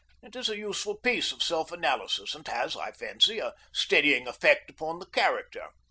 It is a useful piece of self analysis, and has, I fancy, a steadying effect upon the character.